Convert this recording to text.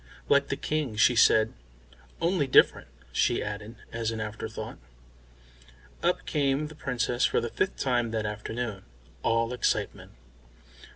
"Like the King," she said. "Only different," she added, as an afterthought. Up came the Princess for the fifth time that afternoon, all excitement.